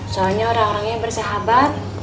soalnya orang orangnya bersahabat